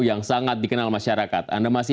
yang sangat dikenal masyarakat anda masih